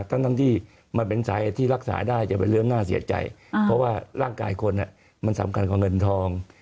ทั้งที่มันเป็นสาเหตุที่รักษาได้จะเป็นเรื่องน่าเสียใจเพราะว่าร่างกายคนมันสำคัญกว่าเงินทอง